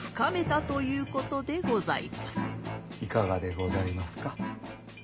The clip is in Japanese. いかがでございますか？